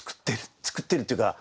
作ってるっていうか。